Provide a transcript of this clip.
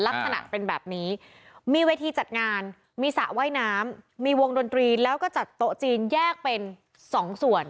ลักษณะเป็นแบบนี้มีเวทีจัดงานมีสระว่ายน้ำมีวงดนตรีแล้วก็จัดโต๊ะจีนแยกเป็นสองส่วน